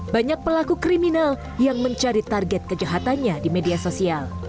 banyak pelaku kriminal yang mencari target kejahatannya di media sosial